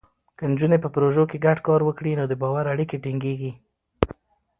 که نجونې په پروژو کې ګډ کار وکړي، نو د باور اړیکې ټینګېږي.